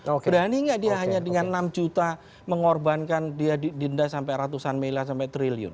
berani nggak dia hanya dengan enam juta mengorbankan dia denda sampai ratusan miliar sampai triliun